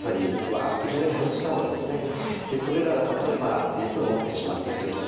それらが例えば熱を持ってしまっている時はですね